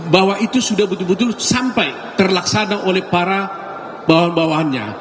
bahwa itu sudah betul betul sampai terlaksana oleh para bawahan bawahannya